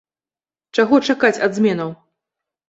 Чаго чакаць ад зменаў?